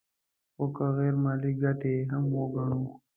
خو که غیر مالي ګټې هم وګڼو